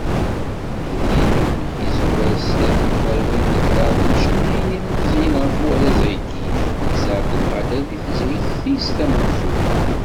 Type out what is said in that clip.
Ad yili umḥizwer n snat tmerwin d kraḍ, n yicennayen ilmeẓyen ɣef warraz-agi "Meksa Ɛabdelqader", deg tezrigt-is tamenzut.